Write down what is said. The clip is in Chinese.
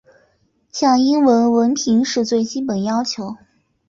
像英语文凭是基本要求。